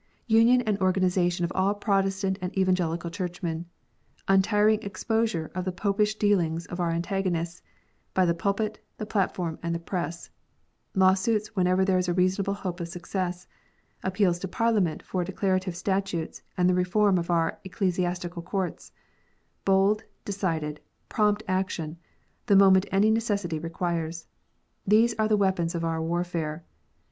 Union and organization of all Protestant and Evangelical Churchmen, untiring exposure of the Popish dealings of our antagonists, by the pulpit, the platform, and the press, law suits whenever there is a reasonable hope of success, appeals to Parliament for declarative statutes, and the reform of our Ecclesiastical courts, bold, decided, prompt action, the moment any necessity requires, these are the weapons of our warfare.